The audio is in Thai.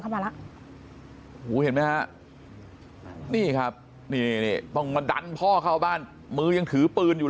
เข้ามาแล้วนี่ครับนี่ต้องดันพ่อเข้าบ้านมือยังถือปืนอยู่